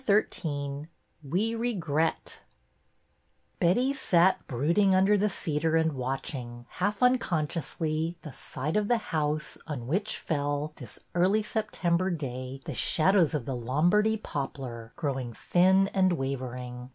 XIII WE REGRET B etty sat brooding under the cedar and watching, half unconsciously, the side of the house on which fell, this early Septem ber day, the shadows of the Lombardy poplar, growing thin and wavering.